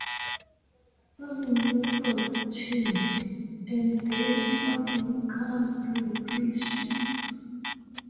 Farming methods changed, and dairy farming came to replace sheep.